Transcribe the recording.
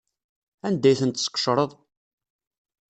Anda ay ten-tesqecreḍ?